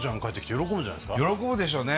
喜ぶでしょうね。